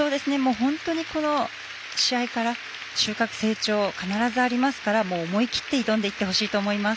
本当にこの試合から収穫、成長必ず、ありますから思い切って挑んでいってほしいと思います。